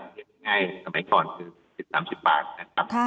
เย็นง่ายในสมัยก่อน๗๓๐บาทนะครับ